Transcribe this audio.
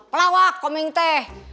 pelawak komeng teh